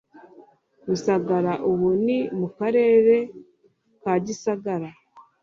Rusagara ubu ni mu Karere ka Gisagara